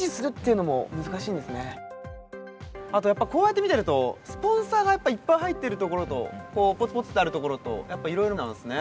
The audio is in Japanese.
あとやっぱこうやって見てるとスポンサーがやっぱいっぱい入ってるところとポツポツってあるところとやっぱいろいろなんですね。